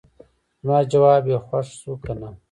زما جواب یې خوښ شو کنه.